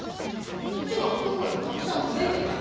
うちは男よりたくさん食べる！